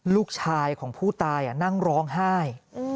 ลูกชายของผู้ตายนั่งร้องไห้